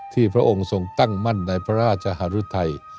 พระองค์ทรงตั้งมั่นในพระราชหารุทัย